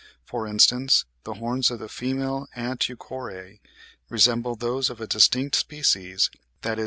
For instance the horns of the female Ant. euchore resemble those of a distinct species, viz.